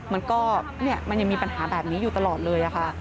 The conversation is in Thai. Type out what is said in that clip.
มันก็มันยังมีปัญหาแบบนี้อยู่ตลอดเลยค่ะ